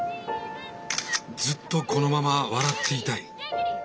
ずっとこのまま笑っていたい。